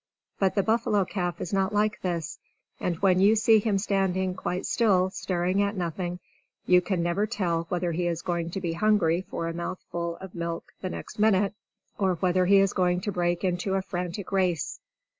But the buffalo calf is not like this; and when you see him standing quite still, staring at nothing, you can never tell whether he is going to be hungry for a mouthful of milk the next minute, or whether he is going to break into a frantic race.